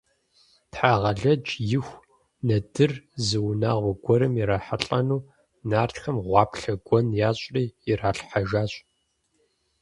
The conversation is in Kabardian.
Тхьэгъэлэдж и ху нэдыр зы унагъуэ гуэрым ирахьэлӀэну, нартхэм гъуаплъэ гуэн ящӀри иралъхьэжащ.